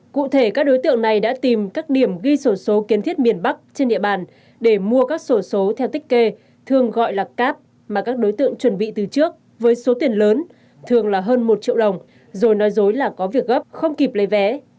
cụ thể các đối tượng này đã tìm các điểm ghi sổ số kiến thiết miền bắc trên địa bàn để mua các sổ số theo tích kê thường gọi là cáp mà các đối tượng chuẩn bị từ trước với số tiền lớn thường là hơn một triệu đồng rồi nói dối là có việc gấp không kịp lấy vé